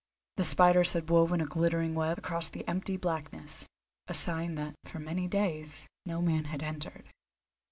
The spiders had woven a glittering web across the empty blackness, a sign that for many days no man had entered.